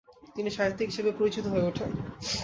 তিনি সাহিত্যিক হিসেবে পরিচিত হয়ে ওঠেন।